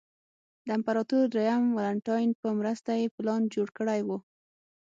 د امپراتور درېیم والنټیناین په مرسته یې پلان جوړ کړی و